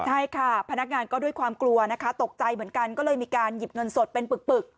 ใช่ค่ะพนักงานก็ด้วยความกลัวนะคะตกใจเหมือนกันก็เลยมีการหยิบเงินสดเป็นปึก